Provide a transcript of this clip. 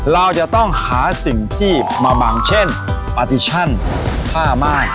เราจะต้องหาสิ่งที่มาบังเช่นปาติชั่นผ้าม่าย